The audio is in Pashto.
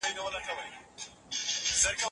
تر دنيا تېر سو خو له دې خوار ناخبره تېر سو